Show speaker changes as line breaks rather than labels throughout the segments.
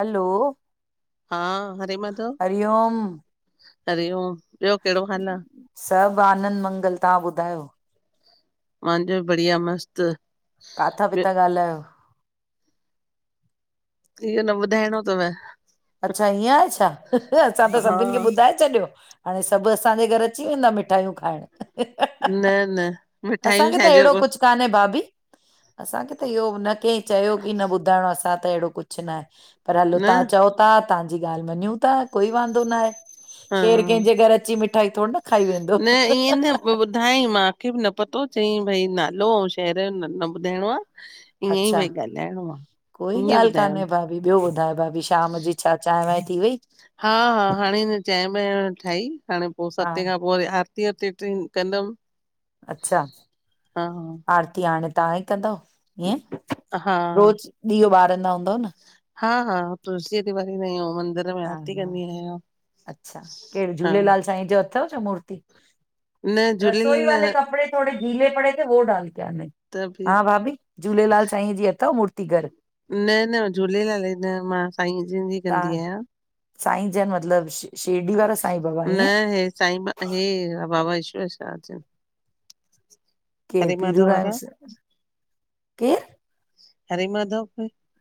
हलो!
हा, हरे माधव,
हरिओम
हरिओम! ॿयो केड़ो हाल आ?
सब आनंद मंगल, तहां ॿुधायो?
मांजो बि बढ़िया मस्त।
काथां पि
ॿियो
ता ॻाल्हायो?
इहो न ॿुधाइणो तव।
अच्छा, ईंए आहे छा? असां त
हा
सभिन खे ॿुधाए छॾयो। हाणे सभ असांजे घर अची वेंदा, मिठायूं खाइण।
न न मिठायूं
असांखे त
छाजो
एड़ो
को
कुछ कान्हें भाभी, असांखे त इहो न कें चयो की न ॿुधाइणो असां त एड़ो कुछ नाहें, पर हलो
न
तहां चौ ता, तहांजी ॻाल्ह मञूं ता, कोई वांदो नाहें।
हा
केर केंजे घर अची, मिठाई थोरी न खाई वेंदो।
उहो ॿुधायई, माखे बि न पतो हो, चयई भई नालो औं शहर जो न ॿुधाइणो आ ईअं ई
अच्छा,
भई ॻाल्हाइणो आ
कोई
ईअं
ॻाल्ह
ॿुधायो
कान्हें भाभी, ॿयो ॿुधाइ भाभी शाम जी छा, चांयं वांयं थी वई?
हा हा, हाणे अञा, चांइं ॿांइं ठाई, हाणे पो
हा
सतें खां पो, आरती वारती ट्रिन कंदम।
अच्छा
हा हा
आरती हाणे तहां ई कंदव ईंएं?
हा,
न
हा हा, तुलसीअ ते वारी वेंओं मंदिर मे
हा
आरती
हा
कंदी आयां।
अच्छा, केढ़ी झूलेलाल साईंअ जो अथव छा मूर्ती?
न
रसोई वाले
झूलेलाल
कपड़े थोड़े गीले पड़े थे, वो डाल के आनें।
त बि
हा, भाभी झूलेलाल साईंअं जी अथव मूर्ती घर?
न न, झूलेलालजी न, मां साईंअं जिन जी कंदी
तव्हां
आयां।
साईं जन मतलब? शिरडी वारा साईं बाबा
न,
ईअं
हे साई मां हे बाबा ईश्वर शाह जन।
केरु
हरे माधव
पीरूराम
वारा?
केरु
हरे माधव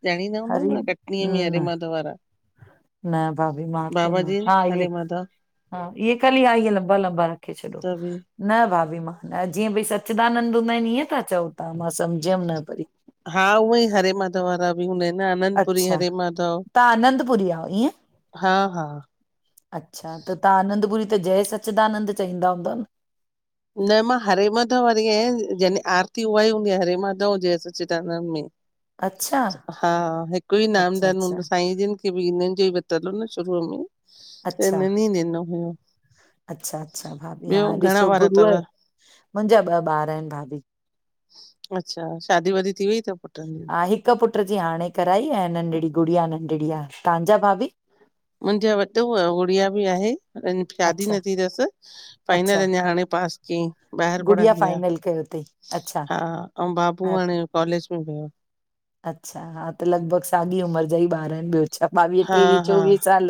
ॼाणींदा हूंदव न, कटनीअ में हरे माधव वारा।
न, भाभी मां त
बाबा
न,
जिन
हा, हे
हरे माधव
हा इ खाली आई लंबा लंबा रखे छॾो
त बि
न भाभी म न जीअं भई सचिदानंद हूंदा आहिनि ईअं त चओ थ्हां मां सम्झियमि न वरी
हा उहो ई हरे माथ वारा बि हूंदा आहिनि आनंदपुरी
अच्छा
हरे माधव
तव्हां आनंदपुरी आहियो ईअं
हा हा
अच्छा त तव्हां आनंदपुरी ते जय सचिदानंद चईंदा हूंदा न
न मां हरे माधव वाररी आहिय जंहिंजी आरती उहा ई हूंदी आ हरे माधव जय सचिदानंद में
अच्छा
हा हिकु ई
अच्छा
नामदन
अच्छा
हूंदो सांईं जिन इनि जो ई वरतलो न शुरूअ में त
अच्छा
हिननि ई ॾिनो हुयो
अच्छा अच्छा भाभी हा
ॿियो घणा
ॾिसो
ॿार तव?
गुरूअ मुंहिंजा ॿ ॿार आहिनि भाभी
अच्छा शादी वादी थी वई अथ पुटनि जी
हा हिक पुट जी हाणे कराई ऐं नंढड़ी गुड़िया नंढड़ी आहे तव्हांजा भाभी
मुंहिंजो वॾो आ गुड़िया बि आहे शादी
अच्छा
न थी अथसि फाइनल
अच्छा
अञा हाणे पास कईं ॿाहिरि पढ
गुड़िया फाइनल कयो अथई अच्छा
हा अउं बाबू
ऐं
हाणे कॉलेज में वियो
अच्छा हा त लॻभॻि साॻी उमिरि जा ई ॿार आहिनि ॿियो अच्छा ॿावीह
हा
टेवीह
हा
चोवीह साल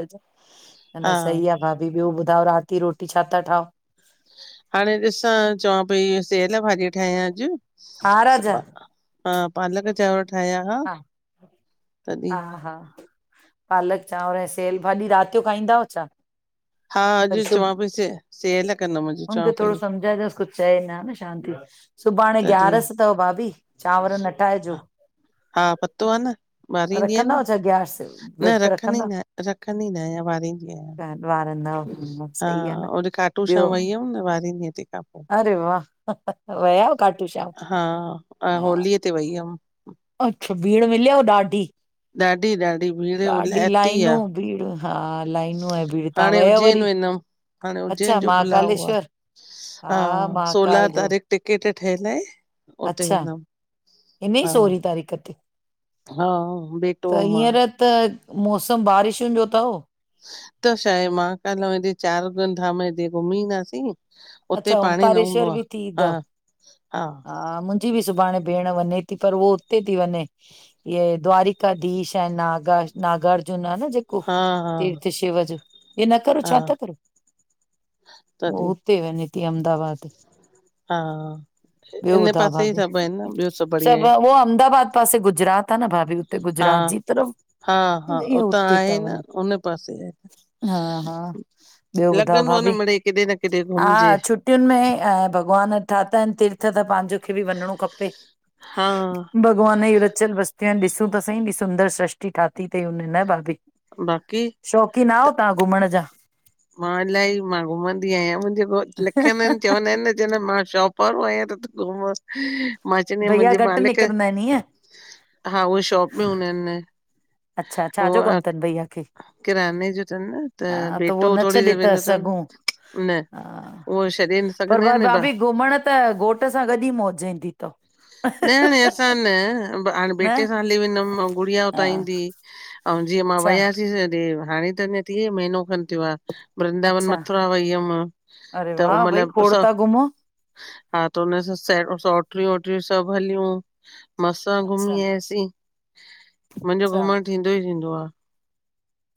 हा
अञा सही आहे भाभी ॿियो ॿुधा राति रोटी छा था ठाहओ
हाणे ॾिसां चवां पई सेअल भाॼी ठाहियां अॼु
हा राजा
हा पालक चांवर ठाहिया हआ
हा हा हा पालक चांवर ऐं सेेल भाॼी राति जो खाईंदा आयो छा
हा
वरी
अॼु
सुब
चवाां पई से सेअल कंदमि अॼु चवा पई
समझाएस कुझ चए न न शांती सुभाणे
तॾहिं
ग्यारस अथव भाभी चांवर न ठाहिजो
हा पतो आहे न ॿारींदी
रखंदा
आहियां न
आहियो छा ग्यारस
न
विर्त
रखंदी
रखंदा
न रखंदी न आहियां ॿारींदी आहियां
आहियो? वारंदा आहियो
हा
सही आ न।
ओॾे खाटू श्याम
ॿियो
वई हुयमि न वारंदी ते खां पोइ
अरे वाह विया हो खाटू श्याम?
हा होलीअ ते वई हुअमि।
अच्छा, भीड़ मिलेव ॾाढी?
ॾाढी ॾाढी भीड़ उते
ॾाढी
रहदीं
लाइनूं
आहे।
भीड़ हा लाइनूं ऐं भीड़, तव्हां विया
उज्जैन
वरी?
वेंदमि हाणे
अच्छा
उज्जैन जो बुलाओ आ
माहाकालेश्वर, हा
सोलहां
महाकाल जो
तारीख़ टिकेट ठहियलु आहे। उते वेंदमि हा
तारीख ते
हा बेटो
त
अऊं मां।
हींअर त मौसम बारिशुनि जो अथव।
त छा आहे महाकाल न वञी चारि धाम हेॾे घुमी ईंदासीं। उते
अच्छा
पाणी न हूंदो
ओंकारेश्वर
आ।
बि थी ईंदव?
हा
हा मुंहिंजी बि सुभाणे भेण वञे थी पर उहो उते थी वञे इये द्वारिकाधीश ऐं नागार्जुन आहे जेके
हा
ते
हा
उते शेवा जो, इअं न करो छा था
हा
करो?
तॾहिं
हुते वञे थी अहमदाबाद
हा
ॿियो
इन
ॿुधायो
पासे ई
भाभी,
सभु आहिनि न ॿियो सभु बढ़िया
सब
आहे।
उहो अहमदाबाद हुन पासे गुजरात आहे न भाभी उते
हा
गुजरात जी तरफ
हा हा उतां आहे न हुन पासे,
हा हा ॿियो ॿुधायो
लॻंदो आहे
भाभी
न मिड़ेई किथे त
हा छुटियुनि में ऐं भॻवान ठाता आहिन तीर्थ त पंहिंजो मूंखे बि वञणो खपे।
हा
भॻवान जी रचियलु बस्तियूं आहिन ॾिसूं त सही हेॾी सुंदरु सृष्टि ठाती थई हुन न भाभी।
बाक़ी
शौक़ीन आओ तव्हां घुमण जा?
मां इलाही मां घुमंदी आहियां मुंहिंजे घोटु लिखंद आहिन चवंदा आहिन न ज मां शौंक पर आहियां त घुमा, मां चवंदी आहियां
भईया
मुंहिंजे
घटि
मालिक
निकिरंदा आहिनि ईअं?
हा उहे शोंक बि हूंदा आहिन।
अच्छा छाजो कमु
उहो,
अथनि भईया खे?
किराने जो थऩ त
हा
त उहो
न
थोडी
छॾे
देर
था
वेंदो थऩ,
सघूं
न,
हा।
उहो छॾे न
पर
सघंदा
भ
आहिन न
भाभी घुमण त घोट सां गॾ ई मौज ईंदी थव़।
न असां न हाणे
न
बेटे सां हली वेंदमि गुड़िया
हा
उतां ईंदी। अऊं जीअं मां
अच्छा
वयासि हेॾे हाणे त अञा थी आहियां, महीनो खन थियो आ। वृंदावन
अच्छा
मथुरा वई हुयमि मां,
अरे
त उहो
वाह भई
मतलब
खोड़
सौ
था घुमो
हा त हुन सां साॅटरियूं वोटरियूं सब हलियूं। मसा घुमी
अच्छा
आयसीं, मुंहिंजो
अच्छा
घुमण थींदो ई थींदो आ।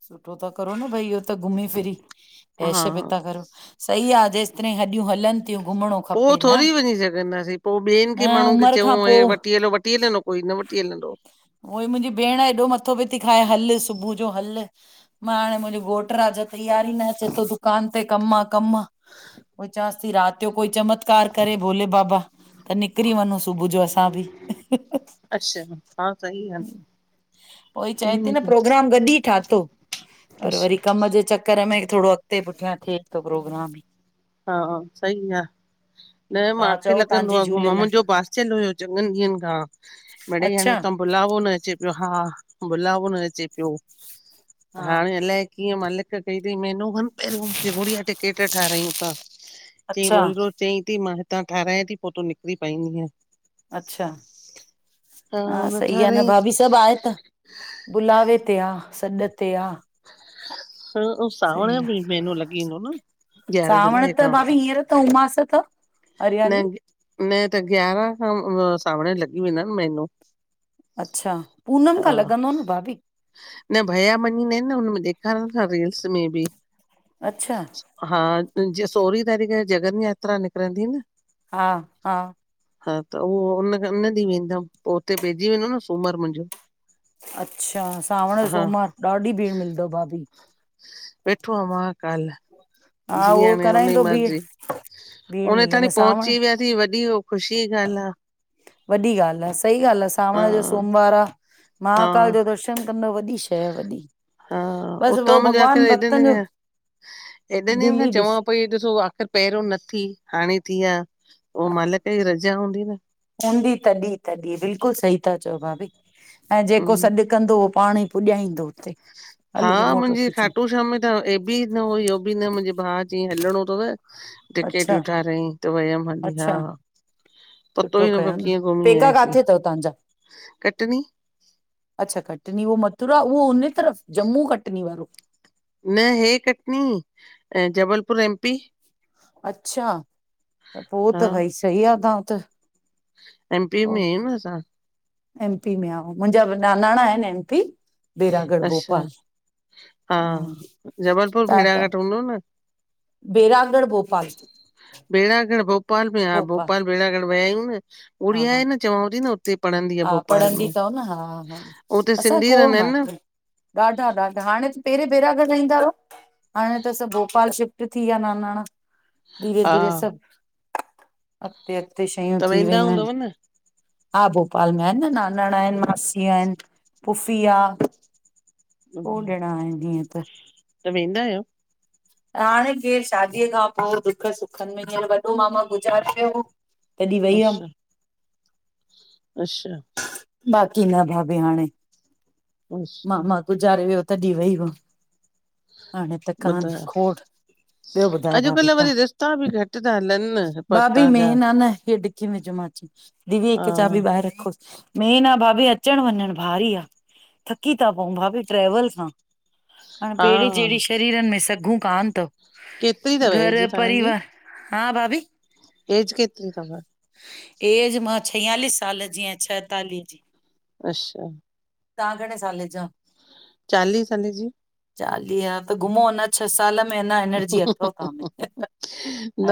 सुठो ता करो न भई इहो त घुमी फिरी,
आहे हा
ऐश बि था करो। सही आ जेसिताईं हॾियूं हलनि थियूं घुमिणो।
पो थोरी वञी सघंदासीं पोइ ॿियनि
न
खे माण्हू खे
उमिरि
चऊं
खां पो
हे वठी हलो वठी हलंदव। कोई न वठी हलंदो।
उहोई मुंहिंजी भेण हेॾो मथो पेई थी खाए हल सुबुह जो हल, मां हाणे मुंहिंजे घोट राजा तयार न आ चे थो दुकान ते कम आ कम मां चवांस थी रात रात जो कोई चमत्कार करे भोले बाबा त निकिरी वञू सुबुह जो असां बि।
अच्छा, हा सही आ।
उहोई चए थी न प्रोग्राम गॾ ई ठातो पर वरी
अच्छा
कम जे चक्कर घर में थोड़ो अॻिते पुठियां थे तो प्रोग्राम ई
हा, सही ॻाल्ह। न
तव्हां
मांखे
चओ
लॻंदो
तव्हांजे
आ घुमण
झूलेलाल
मुंहिंजो बासल हुयो चॻॾन ॾिहंन खां। मिड़ेई हाणे
अच्छा
उतां बुलाओ अचे पियो हा बुलाव न अचे पियो
हा
हाणे अलाए कीअं मां लिख कई थई महिनो खन पहिरियों गुड़िया टिकेट ठारायू चईं
अच्छा
रोज़ रोज़ चयईं त थी मां हितां ठारहिरायां थी पो तूं निकिरी पाईंदीअ आ।
अच्छा हा
हुन
सही आह न
ठारायईं
भाभी सभु आहे त बुलावे ते आ सॾ ते आ।
ह सावण
सही आ
बि महिनो लॻी वेंदो न ग्यारहां जुलाई खां।
तौमास त
न
हरियाली
न त ग्यारह खां सावणं लॻी हुई न न मेनू
अच्छा पूनम
हा
खां लॻंदो न भाभी
न भयामञींदा आहिन न हुनमें ॾेखारनि था रील्स में बि
अच्छा
हा जीअ सोरहीं तारीख़ जगन यात्रा निकिरंदी न।
हा हा
हा त उहो उनखे उन ॾींहुं वेंदमि पोइ उते पइजी वेंदो न सूमर मुंहिंजो।
अच्छा सावण जो
हा
सोमार, ॾाढी भीड़ मिलंदव भाभी।
वेठो आहे महाकाल।
हा
जीअं,
उहो
हाणे उन ई
कराईंदो भीड़
मर्ज़ी,
भीड़
उने ताणी
मिलंदव सावण
पहुंची विया वी वॾी हो ख़ुशी ॻाल्हि आह।
वॾी ॻाल्हि आह, सही ॻाल्हि आह
आ
सावण जो
हा
सूमर आह,
हा
महाकाल जो दर्श त कंदव, वॾी शइ आ वॾी,
हा,
बसि उहो भॻवान भक्तनि जो
एॾनि ॾींहनि
दिल
खां
ई
चवां
ॾिस
पो ई ॾिसो आख़िर पहिरियों न थी, हाणे थी आहे, पोइ
हा
मालिक जी रज़ा हूंदी न।
हूंदी तॾहिं- तॾहिं बिल्कुलु सही था चओ भाभी, ऐं जेको
हम्म,
सॾु कंदो पाण ई पुॼाईंदो। हुते
हा
हलो रिमोट
मुंहिंजी
वठी अचूं।
खाटूश्याम में हे बि न हुयो, इहो बि न, मुंहिंजे भाउ जी चईं हलणो थव।
अच्छा
टिकेटियूं ठारायईं त वयमि हली, हा।
अच्छा
पतो
सुठो
ई न प्यो
कयो
कीअं घुमीं
पेका
आयसि,
काथे अथव तव्हांजा?
कटनी।
अच्छा कटनी, उहो मथुरा उहो हुनन तरफ़, जम्मू कटनी वारो।
न हे कटनी, ऐं जबलपुर एमपी।
अच्छा त पोइ त भई, सही आहे, तव्हां त।
एम पी में अहियूं न असां।
एमपी में आहूं। मुंहिंजा वॾा नानाणा आहिनि एमपी। बेरागढ़
अच्छा
भोपाल,
हा
ह
जबलपुर
त- त।
भेड़ाघाट हूंदो न?
बेरागढ़, भोपाल।
बेड़ागढ़ भोपाल में हा, भोपाल बेड़ागढ़ विया आहियूं न।
हा
गुड़िया
हा
आहे न, चवांव थी न उते पढ़ंदी आहे
हा
भोपाल में।
पढ़ंदी अथव न हा हा
हुते
असांजे
सिंधी
खोड़
रहंदा आहिनि न।
माइट ॾाढा- ॾाढा, हाणे त, पहिरें बैरागढ़ रईंदा हुआ। हाणे त सभु भोपाल शिफ्ट थी व्या नानाणा, धीरे
हा
धीरे सभु। अॻिते- अॻिते शयूं थी विययूं आहिनि।
तो न।
हा भोपाल में आहिनि न, नानाणा आहिनि मासी आहिनि। फुफी आ, खोड़ ॼणा आहिनि जींअं त।
त वेंदा आहियो?
हाणे केरु, शादीअ खां पोइ दुख- सुखनि में, हींअर वॾो मामा गुज़ारे वियो हो। तॾहिं वई हुयमि।
अच्छा अच्छा।
बाक़ी न, भाभी हाणे
अच्छा
मामा। गुज़ारे वियो, तॾहिं वई हुअम, हाणे त कान
ॿुधायो
खोड़। ॿियो ॿुधायो भाभी
अॼुकल्ह वरी रिश्ता बि
तव्हां,
घटि था हलनि न
भाभी
परतां जा
मेन आहे न हे डिकी मिंजमांन। [unintelligible] दीदी
हा
हिक चाॿी ॿाहिर रखोस्। मेन आहे भाभी अचणु- वञणु भारी आह, थकी था पऊं भाभी ट्रेवल सां। हाणे
हा
पेरीं
हा
जहिड़ी शरीरनि में सघूं कान थव,
केतिरी अथव एज
घर-
तव्हांजी
परिवार हा भाभी।
एज केतिरी‌ थव?
एज मां छियालीस् साल जी आहियां। छहतालीह जी।
अशा।
तहां घणे साले जा?
चालीहे साले जी।
चालीह, त घुमों अञां छह साल में अंञां एनर्जी अथव तहां में।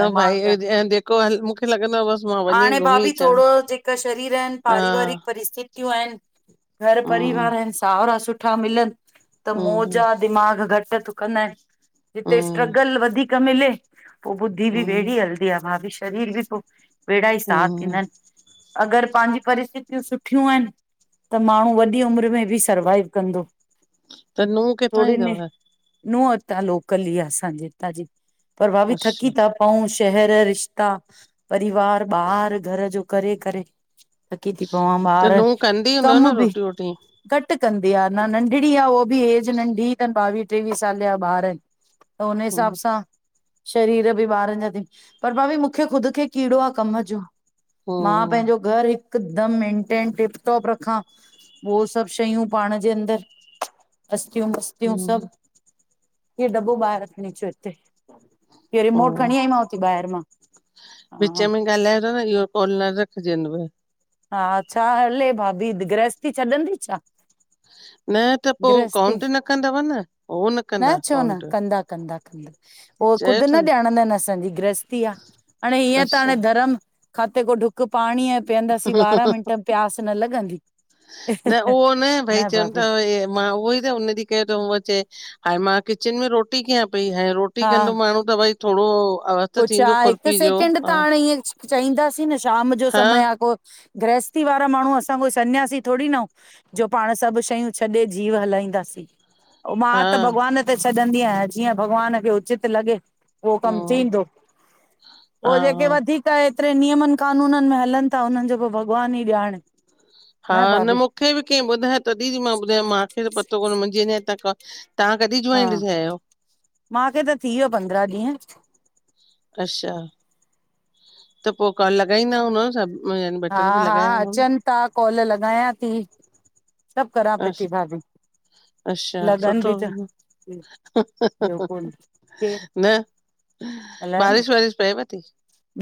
ऐं मां
भाई
त,
ऐं जेको हल मूंखे लॻंदो आहे बसि मां वञी
हाणें
घुमी
भाभी
अचां
थोड़ो जेका शरीर आहिनि
हा
पारिवारिक परिस्थितियूं आहिनि, घर
हम्म
परिवार आहिनि, साहुरा सुठा मिलनि। त
हम्म
मोजा, दिमाग़ु घटि त डुकंदा हिनि, जिते
हम्म
स्ट्रगल वधीक मिले। पो ॿुदधी बि
हम्म
वेड़ी हलदी आ भाभी, शरीर बि पो वेड़ा ई साथ ॾीदा
हम्म
हिनि। अगरि पांजी परिस्थितियूं सुठियूं आहिनि त माण्हूं वॾी उमिरि में बि सर्वाइव कंदो।
त नूंह किथां यी थव
नूंह हितां लोकल ई आ असांजे हितां जी, पर भाभी थकी
अच्छा
तब‌ अंऊ शहर, रिश्ता, परिवार, ॿार, घर जो करे -करे थकी ती पवां,
त
ॿार
नूंहं कंदी हूंदव
कमू
न
बि
रोटी वोटी
घटि कंदी आ, अना नंढड़ी आ उह बि एज नंढी तनि, ॿावीह ट्रेवीह साले जा ॿार हिनि। पो उन्हे
हम्म
हिसाब सां शरीर बि ॿारनि जा थी, पर भाभी मुखे ख़ुदि खे कीड़ो आ कम जो मां
हम्म
पंहिंजो घर हिकदम मेनटेन टिप- टॉप रखां। उहो सभु शयूं पांण जे अंदरि अस्तियुं मस्ति तियूं
हम्म
सभु, हे डॿो ॿाहिरां खणीं चो हिते। इह्यो रिमोट
हम्म।
खणीं आईमांवती ॿाहिरि मां, हा।
गाल्हायो ता न इह्यो काल न रखजंदुव।
हा छा हले भाभी, गृहस्थी छॾंदी छा।
न त पो
गृहस्थी
काउंट न कंदव न हो न कंदा
छो
काउंट
न कंदा -कंदा। हो ख़ुदि न
चयोथन
ॼाणंदा हिनि असांजी गृहस्थी आ हाणें हीअं त
अच्छा
हाणे धरम खाते को ढुक पांणीअ
न उहो न भई चवनि ता वरी मां उहोई त उन्ह ॾीह कयो त हुअ चए, हाणे मां किचन में रोटी कयां पई, हाणे रोट रोटी कंदो माण्हूं त भई थोड़ो आवाज़
पो
त
छा
थींदो
हिकु
खुरपी जो
सेकेंड त
हा
हाणें ईअं चईंदासीं न शाम जो
हा
समय आ को गृहस्थी वारा माण्हूं, असां कोई सन्यासी थोड़ी न हुं। जो पांण सभु शयूं छॾे जीव हलाईंदासीं। ओ मां
हा
त भॻवान ते छॾंदी आहियां जीअं भॻवान खे उचित लॻे उहो कमु
हम्म,
थींदो,
हा
हो
हा
जेके वधीक त एतिरे नियमनि कानूननि में हलनि ता, हुनन्हनि जो पो भॻवान ई ॼाणें।
हा न मुखे बि कंहिं ॿुधायो तॾीहि ती मां ॿुधायां माखे त पतो कोन्हे मुंजी अंञां हितां काल। तहां कॾी ज्वाइन्ड थिया आहियो?
माखे त थी वियो पंद्रहां ॾींहं।
अच्छा। त पो काल लॻाईंदा हुंदव सभु याने ॿ ट्रिन खे लॻाया हुंदव न।
त कॉल लॻायां ती। सभु करा
अ
पई ती भाभी - -
अच्छा सुठो हूंदो
ॿियो कोन केरु
न
अलाए न
बारिश वारिश पए व ती - -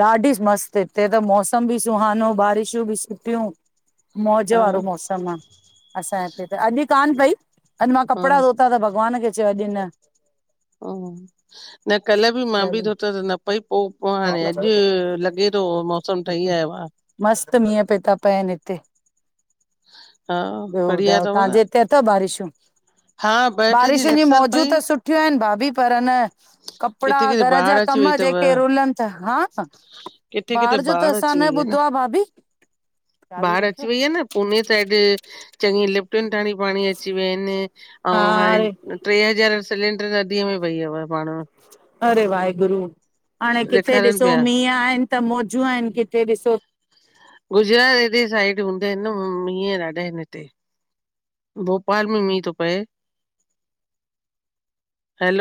ॾाढी मस्तु, हिते त मौसम बि सुहानो बारिशियुं बि सुठियूं। मौज
हा
वारो मौसम आ असांये हिते त, अॼु कान पई अॼ मां
हा
कपड़ा धोता त भॻवान खे चयो मां अॼु न
हा, न कल्ह भी मां बि थोता त न पई पो - - पोइ, हाणे अॼु लॻे थो मौसम ठही आयो आ।
मस्त मींहं पय था पहन हिते।
हा
ॿुयो
बढ़िया
बुधायो
अथव न
तव्हांजे हिते अथव बारिशूं?
हा ॿ टे ॾींहं
बारिशयू जी
लॻसर
मौजू
पई
त सुठियूं आहिन भाभी पर न कपड़ा,
किथे किथे
घर जा
बाढ़ अची
कम
वई अथव।
जेके रुलन था, हा
किथे, किथे
बाढ़ जो त
बाढ
असां
अची वई आह न,
ॿुधो आहे भाभी चाबी
ॿाढ
रखियो
अची वई आ न - उन साइड चॻी लिफ़टन ताणी पाणी अची वियन आहिन
हा
अऊ हाण
अरे
ट्रे हज़ार सिलेंडर नदीअ में वई हुयव पाण।
अरे वाहेगुरू, हाणे किथे
ॾेखारनि
ॾिसो
पिया।
मीहं आहिन त मौजू आहिन किथे ॾिसो - -
गुजरात हेड़ी साइड हूंदा आहिन न, म मीअं ॾाढा आहिन हिते। भोपाल में मीं थो पए - - हैलो